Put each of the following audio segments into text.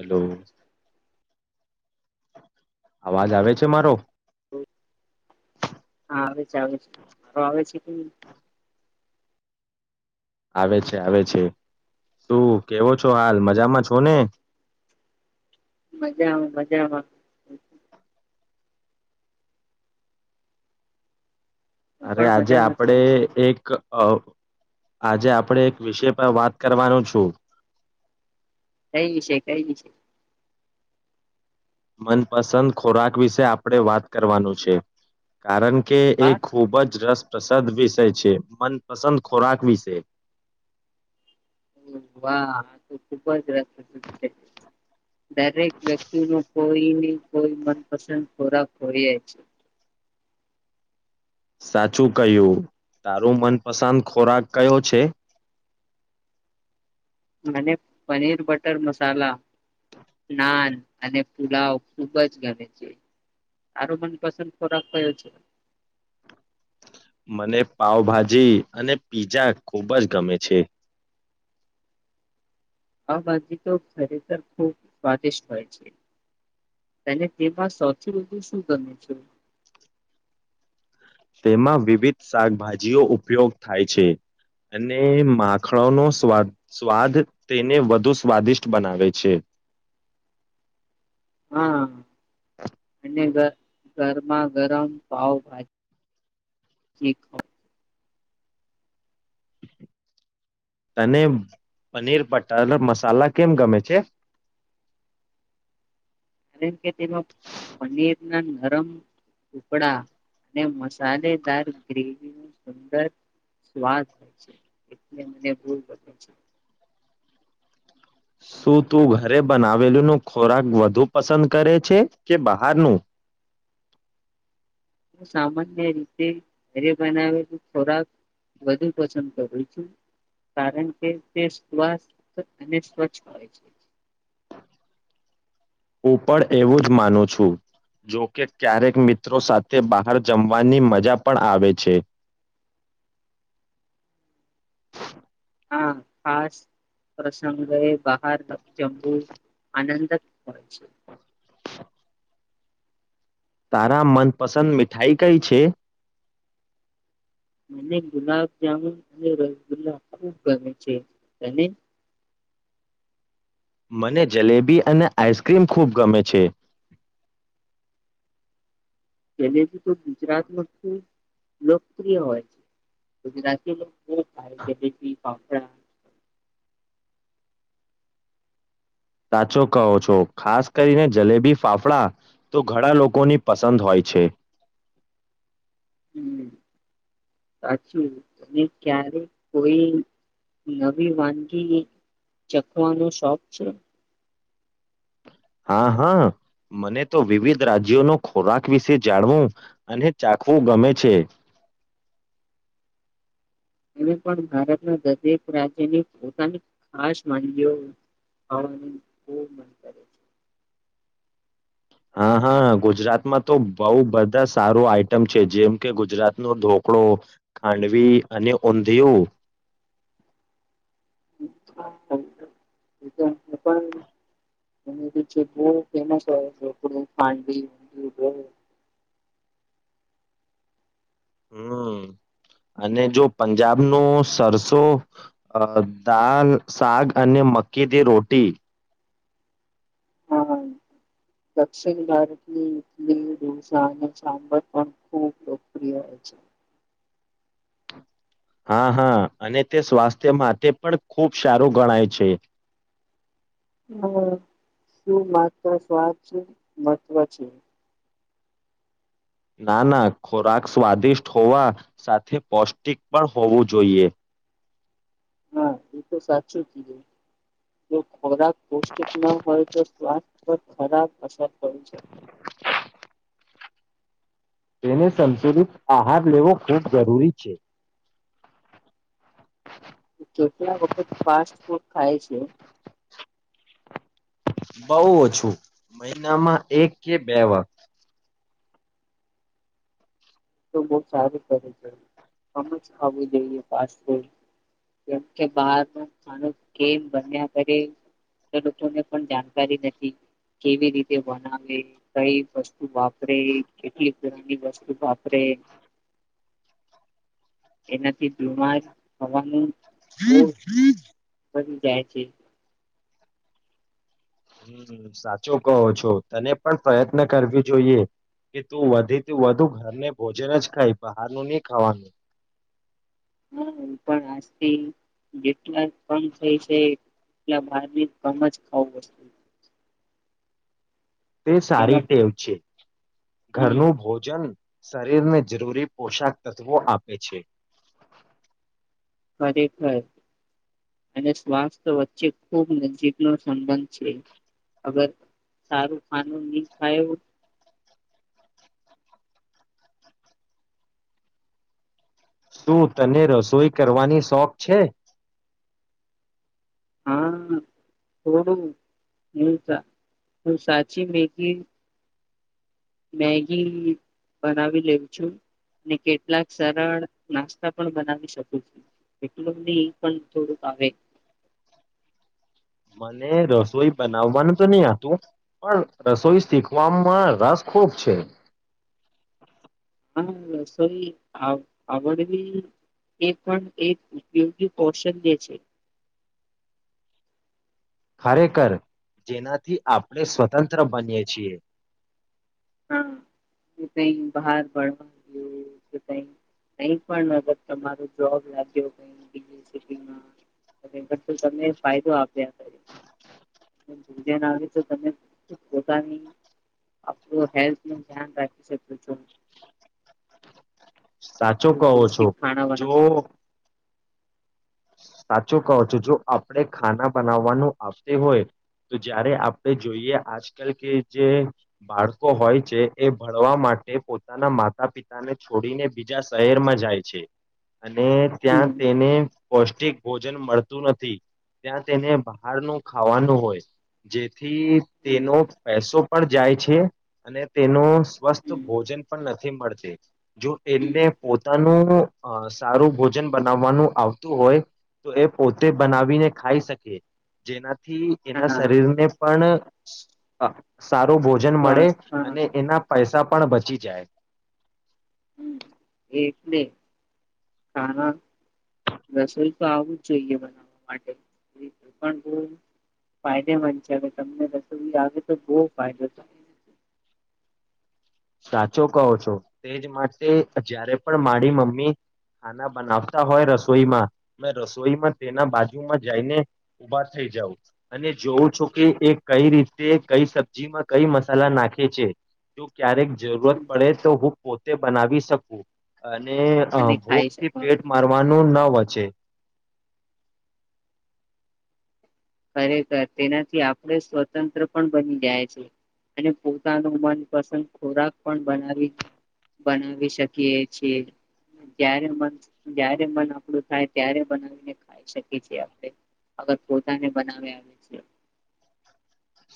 Hello અવાજ આવે છે મારો હા આવે છે આવે મારો આવે છે. હમ આવે છે આવે છે શું કેવો છો હાલ મજામાં છો ને મજામાં મજામાં હું અરે પણ આજે મજામાં આપડે છું એક અવ આજે આપડે એક વિષય પર વાત કરવાનો છું કઈ વિશે કઈ વિશે મનપસંદ ખોરાક વિશે આપડે વાત કરવાનું છે કારણ કે એ વાહ ખૂબ જ રસ પ્રસદ વિષય છે મનપસંદ ખોરાક વિશે વાહ આ તો ખુબ જ રસ [inaudible] દરેક વ્યક્તિ નું કોઈ ની કોઈ મનપસંદ ખોરાક હોઈ છે. સાચું કહ્યું તારું મનપસંદ ખોરાક કયો છે? મને પનીર બટર મસાલા નાન અને પુલાવ ખુબજ ગમે છે તારો મનપસંદ ખોરાક કયો છે? મને પાાવભાજી અને પીઝા ખુબ જ ગમે છે. આ બાજુ તો ખરેખર ખૂબ સ્વાદિષ્ટ હોય છે અને તેમાં સૌથી વધુ શું ગમે છે. તેમાં વિવિધ શાકભાજીઓ ઉપયોગ થાય છે અને માખણોનો સ્વાદ સ્વાદ તેને વધુ સ્વાદિષ્ટ બનાવે છે. હા અને ઘર ઘરમાં ગરમ પાવભા જી તને પનીર બટર મસાલા કેમ ગમે છે કારણ કે તેમાં પનીર ના નરમ ટુકડા ને મસ સાલેદાર ગ્રેવી સુંદર સ્વાદ હોય છે એટલે મને બુ ગમે છે. શું તું ઘરે બનાવેલોનો ખોરાક વધુ પસંદ કરે છે કે બહારનું સામાન્ય રીતે ઘરે બનાવેલ ખોરાક વધુ પસંદ કરું છું કારણ કે તે સ્સ્થ અને સ્વચ્છ હો છે હું પણ એવુ જ માનું છું જોકે ક્યારેક મિત્રો સાથે બહાર જમવાની મજા પણ આવે છે હા ખાસ પ્રસંગ એ બહાર જમવું આનંદ જ હોય છે તારા મનપસંદ મીઠાઈ કઈ છે મને ગુલાબજામુન અને રસગુલ્લા ખુબ ગમે છે તને મને જલેબી અને આઈસ્ક્રીમ ખૂબ ગમે છે જલેબી તો ગુજરાતમાં ખુબ લોકપ્રિય હોય છે ગુજરાતી લોકો બહુ ખાય જલેબી [inaudible] ફાફડા સાચો કહો છો ખાસ કરીને જલેબી ફાફડા તો ઘણા લોકોની પસંદ હોય છે હમ્મ સાચું તને ક્યારે કોઈ નવી વાનગી ચખવાનો શોખ છે હા હા મને તો વિવિધ રાજ્યોનો ખોરાક વિશે જાણવું અને ચાખવું ગમે છે મને પણ ભારતના દરેક રાજ્યની પોતાની ખાસ વાનગીયો ખાવાનું ખુબ મન કરે છે હા હા ગુજરાતમાં તો બહુ બધા સારું આઈટમ છે જેમ કે ગુજરાત નો ઢોકળો ખાંડવી અને ઊંધિયું [unintelligible] હમ્મ અને જો પંજાબ ની સરસો અ દાળ શક અને મકે દી રોટી હા દક્ષિણ ભારતની ઈટલી ઢોસા અને સાંભર પણ ખૂબ લોકપ્રિય હોય છે હા હા અને તે સ્વાસ્થ્ય માટે પણ ખૂબ સારું ગણાય છે હમ્મ શું માત્ર સ્વાસ મહત્વ છે ના ના ખોરાક સ્વાદિષ્ટ હોવા સાથે પૌષ્ટિક પણ હોવું જોઈએ. હા એ તો સાચું કીધું. જો ખોરાક પૌષ્ટિક ના હોય તો સ્વાસ્થ્ય પર ખરાબ અસર થડી શકે. તેને સંતુલિત આહાર લેવો ખૂબ જરૂરી છે. કેટલા વખત ફાસ્ટ ફૂડ ખાય છે. બહુ ઓછું મહિનામાં એક કે બે વાર સારું કે છે આમજ ખાવુ જોઈએ ફૂડ કેમ કે બાર નુ ખાવાનું બન્યા કરે લોકોને પણ જાણકારી નથી કેવી રીતે બનાવે કઈ વસ્તુ વાપરે કેટલી પ્રની વસ્તુપ આપ એનાથી બુમાર થવાનું વખત બી જાય છે. હમ્મ સાચો કહો છો તને પણ પ્રયત્ન કરવ જોઈએ કે તું વધીથી વધુ ઘરને ભોજન જ ખાય બહારનું નહી ખાવાનું. હા હું પણ આજથી જેટલા કમ થાય છે એટલા બાર બી કમ જ ખાવું વસ્તુ તે સારી તેમાં ટેવ છે. હમ ઘરનું ભોજન શરીરને જરૂરી પોષાક તત્વો આપે છે. ખરેખર અને સ્વાસ્થ્ય વચ્ચે ખૂબ નજીક નો સંબંધ છે અગર સારું ખાનું નહી ખાયું શું તને રસોઈ કરવાની શોખ છે? હા થોડું હુ સાચી મેગી બનાવી લેઉ છું. અને કેટલાક સરળ નાસ્તા પણ બનાવી શકું છું. એટલું નહી એ પણ થોડુંક આવે મને રસોઈ બનાવવાનું તો નહી હતું પણ રસોઈ શીખવામાં રસ ખૂબ છે. હા રસોઈ આવડવી એ પણ એક ઉપયોગી કૌશલ્ય છે. ખરેખર જેનાથી આપણે સ્વતંત્ર બનીએ છીએ. હા કે કઈ બહાર ભણવા કે કંઈક પણ તમારો જોબ લાગ્યો બીજી સીટી મા તો પણ ફાયદો આપીયા કરે ભજન આવે તો ત પોતાની તો હેલ્થ નું ધ્યાન રાખી શકો છો. સાચો કહો છો પૌષ્ટિક ખાણા જો બનાવ સાચું કહો છો જો આપણે ખાના બનાવવાનું આપતી હોય તો જ્યારે આપણે જોઈએ આજકાલ કે જે બાળકો હોય છે એ, ભણવા માટે પોતાના માતા પિતાને છોડીને બીજા શહેરમાં જાય છે. અને ત્યાં હમ તેને પૌષ્ટિક ભોજન મળતું નથી, ત્યાં તેને બહારનું ખાવાનું હોય. જેથી તેનો પૈસો પણ જાય છે, અને તેનો સ્વસ્થ ભોજન પણ નથી મળતી. જો હમ એમને પોતાનું સારું ભોજન બનાવવાનું આવ વતુ હોય તો એ પોતે બનાવીને ખાઈ શકે જેના થી એના હા શરીર ને પણ હા સારું ભોજન મળે બસ હા અને એના પૈસા પણ બચી જાય હમ. એટલે ખાણા રસોઈ તો આવું જ જોઈએ બનાવવા માટે પણ બો ફાયદેમંદ છે હવે તમને રસોઈ આવે તો બહ ફાયદો થાય નથી. સાચો કહો છો તેજ માટે જયારે પણ મારી મમ્મી ખાના બનાવતા હોય, રસોઈમાં મે રસોઈમાં તેના બાજુમાં જઈને ઉભા થઈ જાઉં અને જોવં છું કે એ કઈ રીતે કઈ સબ્જીમાં કઈ મસાલા નાખે છે. ક્યારેક જરૂરત હમ. પડે તો હું પોતે બનાવી શકું અ ને અને ભોગ ખાઈ થી શકો પેટ મારવાનું ન પ છેે. ખરેખર તેનાથી આપણે સ્વતંત્ર પણ બની જાય છે અને પોતાનું મનપસંદ ખોરાક પણ બનાવી બનાવી શકીએ છીએ જ્યારે જ્યારે મન આપણું થાય ત્યારે બનાવીને ખાઈ શકીએ છીએ આપણેગ ને બનાવે આવે છે.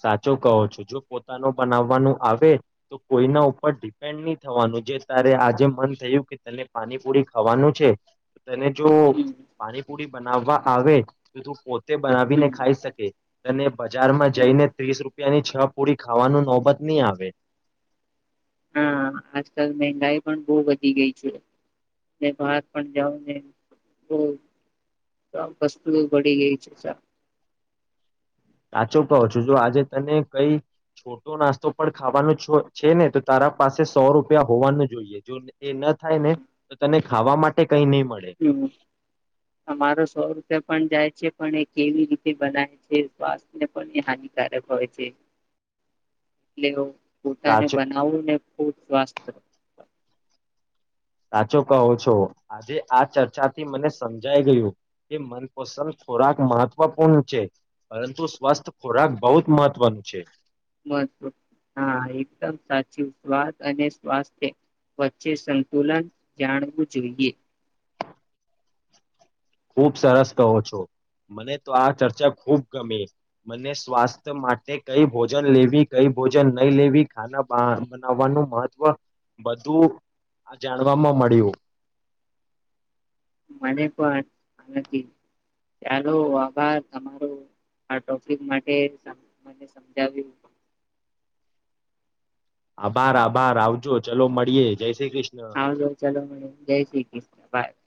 સાચો કહો છો જો પોતાનું બનાવવાનું આવે તો કોઈના ઉપર ડિપેન્ડ ની થવાનું જે તારે આજે મન થયું કે તને પાણીપુરી ખાવાનું છે. તેને જો હમ પાણીપુરી બનાવવા આવે તો તું પો તે બનાવીને હમ ખાઈ શકે તને બજારમાં અ જઈને રૂપિયાની છ પૂરી ખાવાનું નોબત નહીં આવે હા આજકાલ મંગાઈ પણ બો વધી ગઈ છે બહાર પણ જાઓને બહ વસ્તુ ઘડી ગઈ છે. સાચો કહો છો જો આજે તને કઈ છોટો નાસ્તો પણ ખાવાનો છો છે ને તો તારા પાસે સો રૂપિયા હોવાનું જોઈએ જો એ ન થાય ને તો તને ખાવા માટે કઈ નહી મળે હમ અમારો સવર પણ જાય છે પણ એ કેવી રીતે બનાવે છે સ્વસ્થ ને પણ એ હાનિકારક હોય છે એટલે પોતાને સાચો બનાવું ને ખ સ્વાસ્થ સાચો કહો છો આજે આ ચર્ચાથી મને સમજાઈ ગયું કે મનપસંદ ખોરાક મહત્વપૂર્ણ છે પરંતુ સ્વસ્થ ખોરાક બહુ જ મહત્વનું છે. મહત્વ હા એકદમ સાચું સ્વાદ અને સ્વાસ્થ્ય વચ્ચે સંતુલન જાણવું જોઈએ. ખૂબ સરસ કહો છો મને તો આ ચર્ચા ખુબ ગમે મને સ્વાસ્થ્ય માટે કઈ ભોજન લેવી કઈ ભોજન નહી લેવી ખાના બનાવવાનું મહત્વ બધું આ જાણવાવામાં મળ્યું. મને પણ નથી ચાલો આભાર તમારો આ ટોપિક માટે મને સમજાવ્યું આભાર આભાર આવજો ચલો મળીએે જય શ્રી કૃષ્ણ આવજો ચલો મળીયે જય શ્રી કૃષ્ણ બાય